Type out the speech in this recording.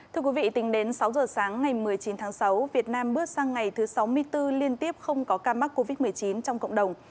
thưa quý vị tính đến sáu giờ sáng ngày một mươi chín tháng sáu việt nam bước sang ngày thứ sáu mươi bốn liên tiếp không có ca mắc covid một mươi chín trong cộng đồng